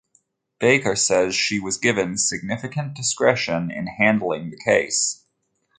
Baker said she was given significant discretion in handling the case.